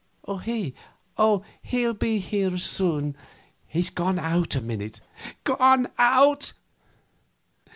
"He? Oh, he'll be here soon; he's gone out a minute." "Gone out?"